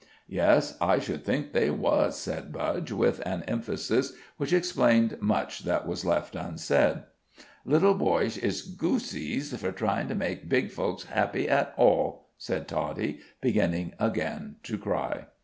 "Yes, I should think they was," said Budge, with an emphasis which explained much that was left unsaid. "Little boysh is goosies for tryin' to make big folksh happy at all," said Toddie, beginning again to cry.